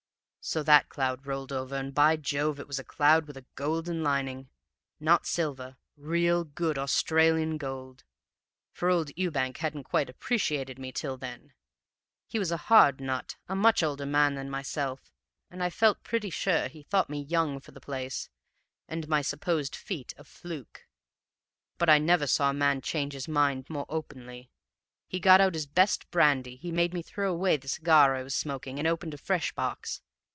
"So that cloud rolled over, and by Jove it was a cloud with a golden lining. Not silver real good Australian gold! For old Ewbank hadn't quite appreciated me till then; he was a hard nut, a much older man than myself, and I felt pretty sure he thought me young for the place, and my supposed feat a fluke. But I never saw a man change his mind more openly. He got out his best brandy, he made me throw away the cigar I was smoking, and opened a fresh box.